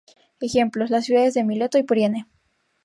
Ejemplos: las ciudades de Mileto y Priene.